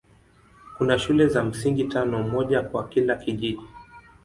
Kuna shule za msingi tano, moja kwa kila kijiji.